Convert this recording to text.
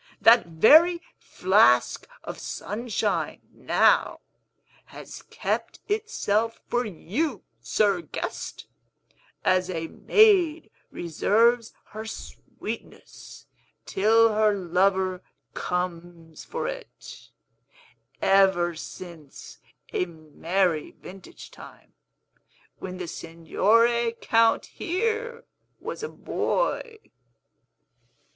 That very flask of Sunshine, now, has kept itself for you, sir guest (as a maid reserves her sweetness till her lover comes for it), ever since a merry vintage time, when the Signore Count here was a boy!"